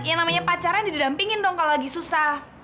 yang namanya pacaran didampingin dong kalau lagi susah